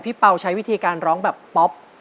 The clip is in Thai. เป่าใช้วิธีการร้องแบบป๊อป